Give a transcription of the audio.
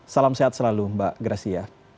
salam sehat selalu mbak gracia